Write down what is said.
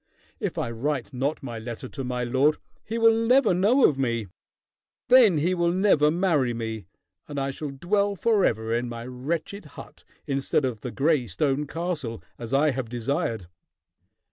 If I write not my letter to my lord, he will never know of me. Then he will never marry me, and I shall dwell forever in my wretched hut instead of the gray stone castle, as I have desired."